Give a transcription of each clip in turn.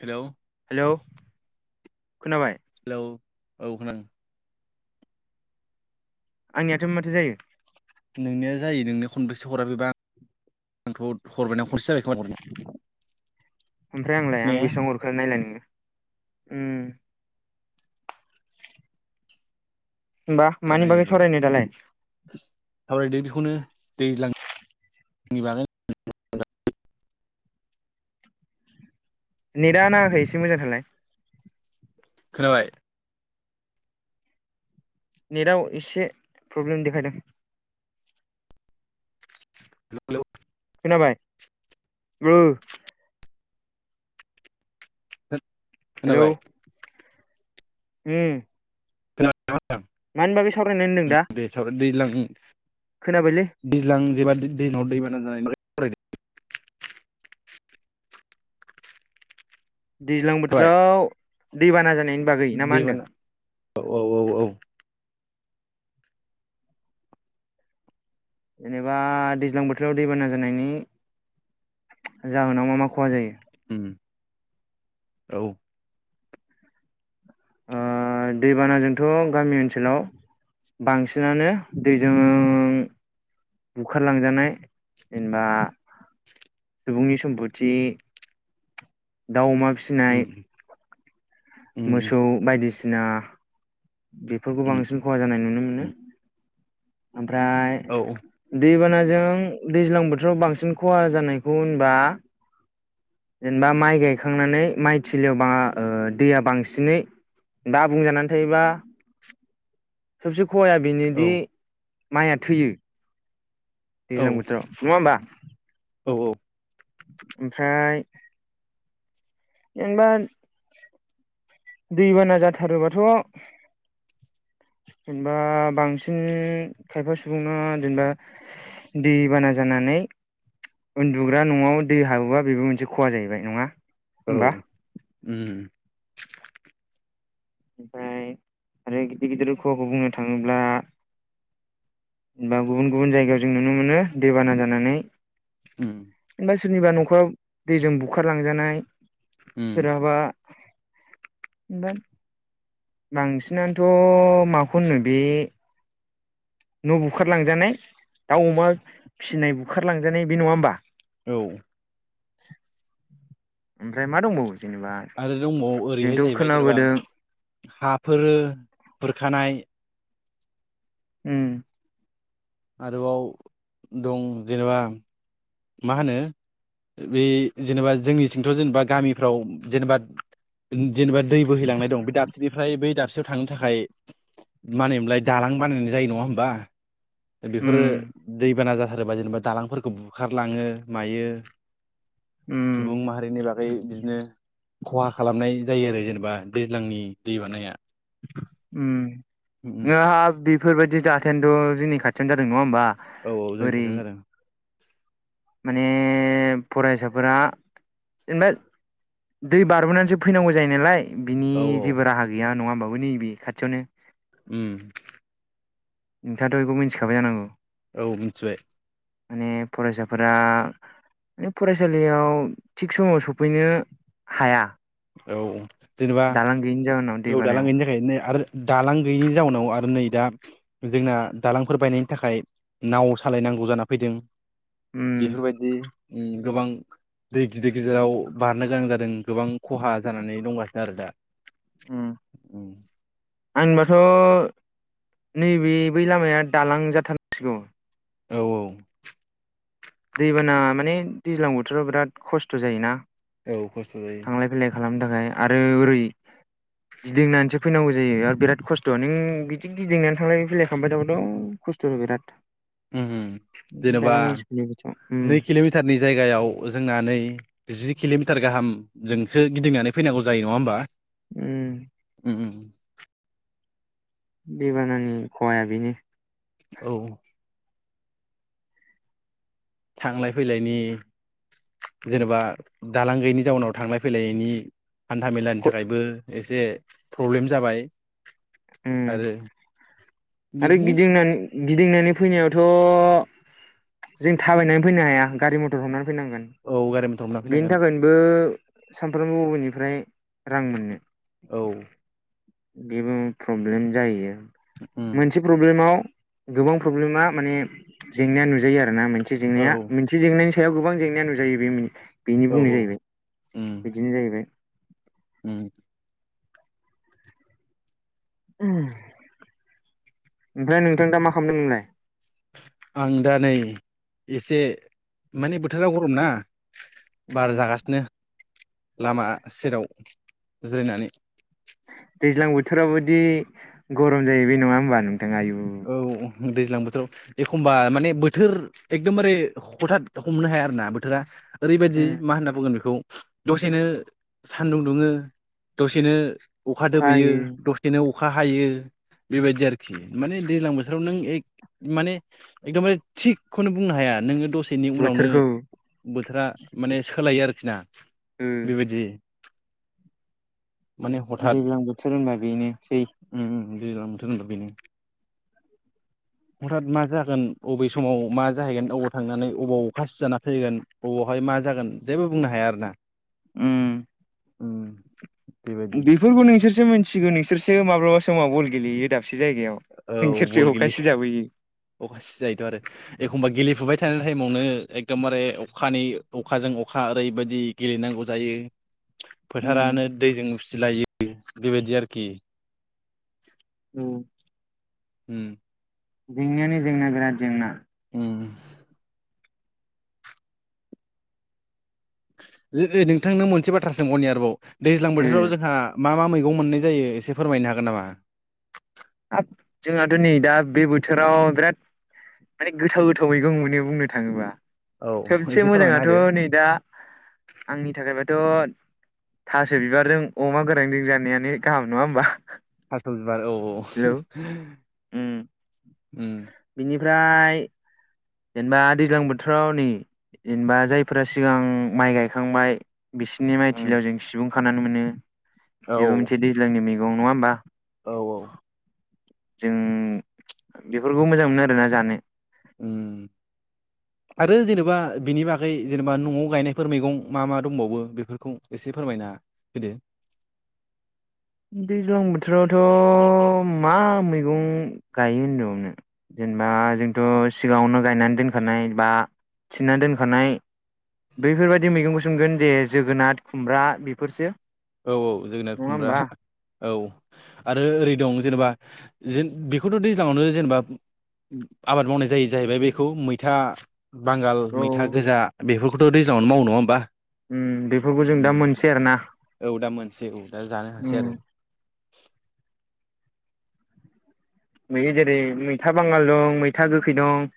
हेल' hello खोनाबाय hello औ खोनादों आंनियाथ' माथो जायो नोंनिया जायो नोंनो खनबेसे हराबेबा आंथ' हरबायना खनसे जाबाय खोमा हरनाया ओमफ्राय आंलाय आं ने बेसेबां नायलाय नोङो उम होनबा दा मानि नायगोन बागै र' सावरायनो दालाय सावरायदो बेखौनो दैज्लांनि बागै नेटआ नाङाखै एसे मोजां थालाय खोनाबाय नेटआव एसे प्रब्लेम देखायदों [inaudible] हेल' खोनाबाय ओ [unintelligible] हेलौ खोनाबाय उम खोनादों नामा होनदां। मानि बागै सावरायनो होनदों दा उम दे‌ साव दैज्लां खोनाबायलै दैज्लां जेबादि दैज्लाङाव दैबाना जानाय नुबाय दैज्लां जाबाय बोथोराव दैबाना जानायनि बागै ना मा दैबाना होनदों औ औ औ औ जेनेबा दैज्लां बोथोराव दैबाना जानायनि जाहोनाव मा मा खहा जायो? उम औ ओ दैबानाजोंथ' गामि ओनसोलाव बांसिनानो दैजों बुखारलांजानाय जेनेबा सुबुंनि सम्फथि दाउ अमा फिसिनाय उम मोसौ बायदिसिना बेफोरखौ उम बांसिन खहा जानाय नुनो मोनो उम ओमफ्राय औ औ दैबानाजों दैज्लां बोथोराव बांसिन खहा जानायखौ होनबा जेनेबा माइ गायखांनानै माइ थिलियाव बा ओ दैया बांसिनै दा आबुं जानानै थायोबा सोबसे खहाया औ बेनोदि माइया थैयो दैज्लां बोथोराव नङा होनबा औ औ ओमफ्राय जेनबा दैबाना जाथारोबाथ' जेनेबा बांसिन खायफा सुबुंना जेनेबा दै बाना जानानै उन्दुग्रा न'आव दै हाबोबा बेबो मोनसे खहा जाहैबाय नङा औ होमबा उम। ओमफ्राय आरो गिदिर गिदिर खहाखौ बुंनो थाङोब्ला बा गुबुन गुबुन जायगायाव जों नुनो मोनो दैबाना जानानै उम जेनबा सोरनिबा न'खराव दैजों बुखारलांजानाय उम सोरहाबा दा बांसिनानोथ' माखौ होनो बे न' बुखारलांजानाय दाउ, अमा फिसिनाय बुखारलांजानाय बे नङा होमबा। औ ओमफ्राय मा दंबावो जेनेबा आरो दंबावो ओरैहाय जोंथ' जाहैबाय जेनेबा खोनाबोदों हाफोर खुरखानाय उम। आरोबाव दं जेनेबा मा होनो बे जेनेबा जोंनिथिंथ' जेनेबा गामिफ्राव जेनेबा जेनेबा दै बोहैलांनाय दं बे दाबसेनिफ्राय बै दाबसे सिनाव थांनो थाखाय मा होनोमलाय दालां बानायनाय जायो नङा होमबा। बेफोरो उम दैबाना जाथारोबा जेनेबा दालांफोरखौ बुखारलाङो मायो उम सुबुं माहारिनि बाग ओमफ्राय बिदिनो खहा खालामनाय जायो आरो जेनेबा दैज्लांनि दै बानाया। उम उम दा बेफोर बायदि जाथायानोथ' जोंनि खाथियावनो जादों नङा होमबा। औ औ जोंनि ओरै खाथियावनो जादों। माने फरायसाफोरा जेनेबा दै बारबोनानैसो फैनांगौ जायो नालाय बिनि औ औ जेबो राहा गैया नङा होमबाबो नैबे खाथियावनो उम नोंथाङाथ' इखौ मिनथिखाबाय जानांगौ। औ मिनथिबाय। माने फरायसाफोरा माने फरायसालियाव थिग समाव सफैनो हाया औ जेनेबा दालां गैयिनि जाहोनाव औ दालां दैबानायाव गैयिनि थाखायनो आरो दालां गैयिनि जाउनाव आरो नै दा जोंना दालांफोर बायनायनि थाखाय नाव सालायनांगौ जाना फैदों। उम बेफोर बायदि गोबां दै गिदिर गिदिराव बारनो गोनां जादों। जों गोबां खहा जानानै दंगासिनो आरो दा उम। आंनिबाथ' नै बे बै लामाया दालां जाथारनांसिगौ। औ औ। दैबाना माने दैज्लां बोथोराव बिराद खस्थ' जायोना। औ खस्थ' जायो। थांलाय फैलाय खालामनो थाखाय आरो ओरै गिदिंनानैसो फैनांगौ जायो आरो बिराद खस्थ' नों बिदि गिदिंनानै थांलाय फैलायखांबाय थाबाथ' खस्थ'बो बिराद। उम उम ओंखायनो जेनेबा दालांनांसिगौ बिथिङाव उम नै किल'मिटारनि जायगायाव जोंना नै जि किल'मिटार गाहामजोंसो गिदिंनानै फैनांगौ जायो नङा होमबा। उ उम उम दैबानानि खहाया बेनो। औ। थांलाय फैलायनि जेनेबा दालां गैयैनि जाउनाव थांलाय फैलायनि। हान्था मेलानि थाखायबो एसे प्रब्लेम जाबाय। उम आरो आरो बिदिनो गिदिंनानै गिदिंनानै फैनायावथ' जों थाबायनानै फैनो हाया गारि- मथर हमनानै फैनांगोन। औ गारि मथर हमना फैनांगोन बो सानफ्रामबो बबेनिफ्राय रां मोननो औ बेबो प्रब्लेम जाहैयो उम मोनसे प्रब्लेमाव गोबां प्रब्लेमा माने जेंनाया नुजायो आरोना मोनसे औ जेंनाया औ जि जेंनानि सायाव गोबां जेंनाया नुजायो बे बेनि बुंनाय औ जाहैबाय उम बिदिनो जाहैबाय उम ओम ओमफ्राय नोंथां दा मा खालामदों नोंलाय आं दा नै एसे माने बोथोरा गरम ना बार उम जागासिनो लामा सेराव जिरायनानै दैज्लां बोथोरावदि गरम जायो बे नङा होमबा नोंथां आयु औ दैज्लां बोथोराव एखमबा माने बोथोर एकदमबारे हथत हमनो हाया आरो ना बोथोरा ओरैबायदि उम मा होनना बुंगोन बेखौ दसेनो सानदुं दुङो दसेनो अखा दोबैयो दसेनो अखा हायो बेबायदि आरोखि माने दैज्लां बोथोराव नों माने एकदमबारे थिगखौनो बुंनो हाया नोङो दसे बेनि उनावनो बोथोरखौ बोथोरा माने सोलायो आरोखि ना ओ बेबायदि माने हथात दैज्लां बोथोर होनबा बेनोसै उम उम उम दैेलां बोथोर होनबा बेनो [inaudible] हथात मा जागोन बबे समाव मा जाहैगोन अबाव थांनानै अबाव अखा सिजाना फैगोन बबावहाय मा जागोन जेबो बुंनो हाया आरो ना उम औ बेफोरखौ नोंसोरसो मिथिगौ नोंसोरसो माब्लाबा समाव बल गेलेयो दाबसे जायगायाव नोंसोरसो अखा सिजाबोयो अखा सिजायोथ आरो एखमबा गेलेफुबाय थानाय टाइमावनो एकदमबारे अखानि अखाजों अखा ओरैबायदि गेलेनांगौ जायो उम फोथारानो दैजों उसिलायो बेबायदि आरोखि औ उम जेंनायानो जेंना बिराद जेंना उम नोंथांनो मोनसे बाथ्रा सोंबावनि आरोबाव दैज्लां उम बोथोराव जोंहा मा मा मैगं मोननाय जायो एसे फोरमायनो हागोन नामा हाब जोंहाथ' नै दा बे बोथोराव बिराद माने गोथाव गोथाव मैगं मोनो बुंनो थाङोबा औ सबसे एसे फोरमायना मोजाङाथ' होदो नै दा आंनि थाखायबाथ' थास' बिबारजों अमा गोरानजों जानायानो गाहाम नङा होमबा थास बिबार औ औ हेलौ उम बेनिफ्राय जेनेबा दैज्लां बोथोराव नै जेनेबा जायफोरा सिगां माइ गायखांबाय बिसोरनि उम माइथिलियाव जों सिबुं खानानै मोनो औ बेबो मोनसे दैज्लांनि मैगं नङा होमबा औ औ जों बेफोरखौ मोजां मोनो आरोना जानो उम आरो जेनेबा बिनि बागै जेनेबा न'आव गायनायफोर मैगं मा मा दंबावो बेफोरखौ एसे फोरमायनो ह होदो दैज्लां बोथोरावथ' मा मैगं गायो होनदोंनो जेनेबा जोंथ' सिगाङावनो गायनानै दोनखानाय बा थिननानै दोनखानाय बैफोरबायाददि मैगंखौ सोमगोन जे जोगोनाथ खुमब्रा बेफोरसो औ औ जोगोनार नङा खुमब्रा होमबा औ आरो ओरै दं जेनेबा ज बेखौथ' दैज्लांयावनो जेनेबा आबाद मावनाय जायो जाहैबाय बेखौ मैथा बांगाल औ मैथा गोजा बेफोरखौथ' दैज्लांङावनो माव नङा होमबा बेफोरखौ जों दा उम मोनसै आरो ना औ दा मोनसेै औ दा जानो हासै आरो नयो जेरै मैथा बांगाल दं मैथा गोखै दं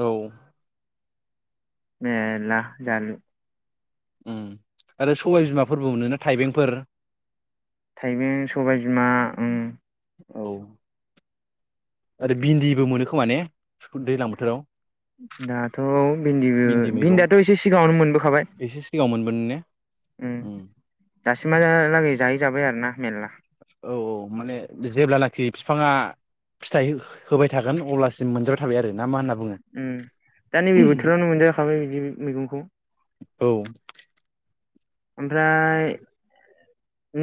औ बेला जाल आरो सबाय बिमाफोरबो मोनोना थाइबेंफोर थाइबें सबायबिमा औ आरो भिन्दिबो मोनो खोमा ने दैज्लां बोथोराव दाथ' भिन्दिबो इन्दि मैगं भिन्दियाथ' एसे सिगाङावनो मोनबोखाबाय एसे सिगाङाव मोन उम [unintelligible] दासिमहालागै जाहै जाबाय आरोना मेरला औ औ माने जेब्लानाखि बिफाङा फिथाइ होबाय थागोन अब्लासिम मोनजाबाय थाबाय आरो ना मा होनना बुङो दा नैबे बोथोरावनो मोनजाखाबाय बिदि मैगंखौ औ ओमफ्राय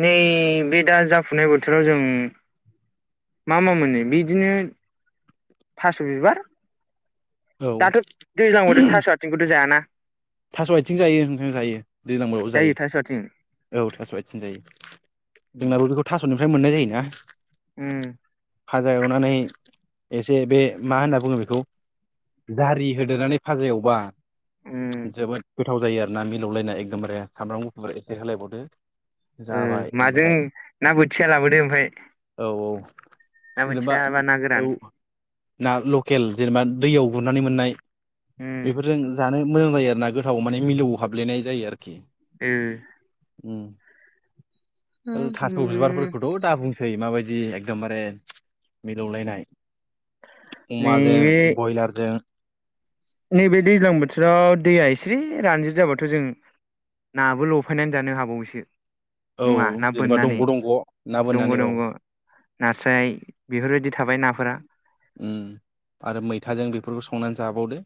नैबे दा जाफुनाय बोथोराव जों मा मा मोनो बिदिनो थास' बिबार औ दाथ' दैज्लाङावथ' थास' आथिंखौथ' जायाना थास' आथिं जायो नोंथां जायो दैज्लां बाबो जायो थास' आथिं जायो औ थास' आथिं जायो उम जोंनाबोथ थास'निफ्राय मोननाय जायोना उम भाजा एवनानै एसे बे मा होनना बुङो बेखौ दारि होदोनानै फाजा एवबा उम जोबोद गोथाव जायो आर ना मिलौलायना एखदमबारे सामब्राम गुफुरफोर एसे होलायबावदो जाबाय माजों होमबाथाय ना बोथिया लाबोदो ओमफ्राय औ औ ना जेनेबा बोथिया बा ना औ गोरान ना लकेल जेनेबा दैयाव गुरनानै मोननाय उम बेफोरजों जानो मोजां जायो आरो ना गोथाव माने मिलौ हाबलेनाय जायो आरोखि ए थास उम बिबारफोरखौ खौथ दा बुंसै माबायदि एकदमबारे मिलौलायनाय अमाजों नैबे ब्रयलारजों नैबे दैज्लां बोथोराव दैया एसे रानजिद जाबाथ जों नाबो लफायनानै जानो हाबावैसो औ नङा ना जेनेबा बोननानै दंग' दंग' ना दंग बोननानै औ दंग नास्राय बेफोरबायदि थाबाय नाफोरा आरो मैथाजों बेफोरखौ संनानै जाबावदो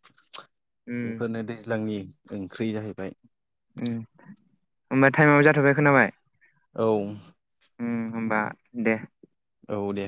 उम बेफोरनो दैज्लांनि ओंख्रि जाहैबाय होमबा टाइमा जाथबाय खोनाबाय औ होमबा दे औ दे